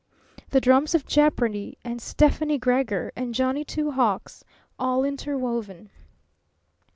The drums of jeopardy and Stefani Gregor and Johnny Two Hawks, all interwoven.